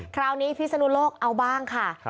คราวนี้พี่สะดูโลกเอาบ้างคะ